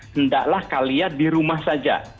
hendaklah kalian di rumah saja